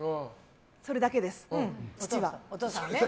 それだけです、父は。